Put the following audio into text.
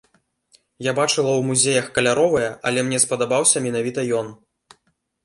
Я бачыла ў музеях каляровыя, але мне спадабаўся менавіта ён.